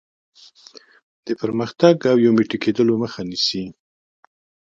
د پرمختګ او یو موټی کېدلو مخه نیسي.